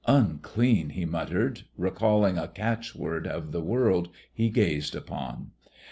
"Unclean," he muttered, recalling a catchword of the world he gazed upon.